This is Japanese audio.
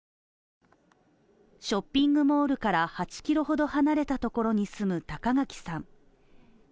ショッピングモールから８ｋｍほど離れたところに住む高垣さん。